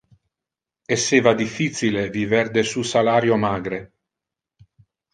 Esseva difficile viver de su salario magre.